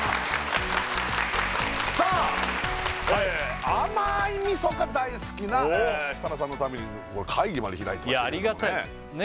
さあ甘い味噌が大好きな設楽さんのために会議まで開いてましたけれどもね